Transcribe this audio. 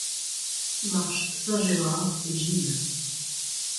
Marche Saint-Gérard et Gilles.